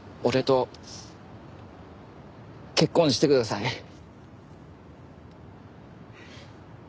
俺と結婚してください。